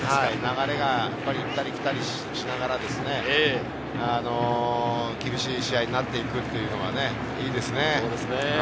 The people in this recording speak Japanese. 流れが行ったり来たりしながらですね、厳しい試合になっていくというのはいいですね。